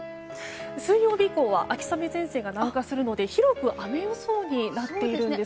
水曜日以降は秋雨前線が南下するので広く雨予想になっているんですよ。